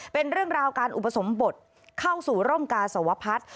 เป็นเรื่องราวการอุปสมบทเข้าสู่ร่มกาสวพัฒน์